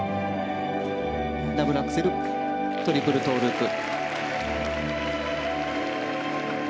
ダブルアクセルトリプルトウループ。